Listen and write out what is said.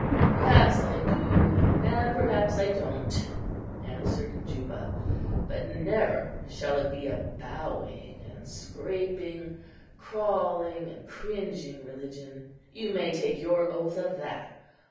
"Perhaps I do, and perhaps I don't," answered Juba; "but never shall it be a bowing and scraping, crawling and cringing religion. You may take your oath of that."